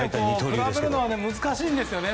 比べるのは難しいですよね。